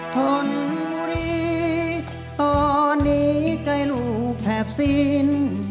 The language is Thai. ทนบุรีตอนนี้ใจลูกแทบสิ้น